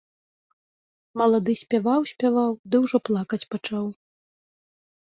Малады спяваў, спяваў, ды ўжо плакаць пачаў.